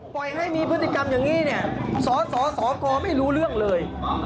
ปล่อยให้มีพฤติกรรมอย่างนี้เนี่ยสสกไม่รู้เรื่องเลย